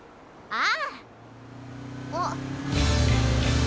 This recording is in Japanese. ああ？